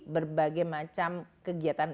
berbagai macam kegiatan